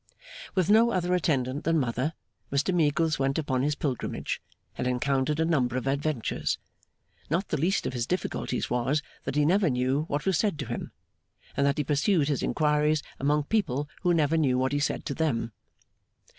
With no other attendant than Mother, Mr Meagles went upon his pilgrimage, and encountered a number of adventures. Not the least of his difficulties was, that he never knew what was said to him, and that he pursued his inquiries among people who never knew what he said to them.